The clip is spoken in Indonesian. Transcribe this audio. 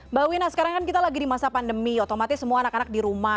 mbak wina sekarang kan kita lagi di masa pandemi otomatis semua anak anak di rumah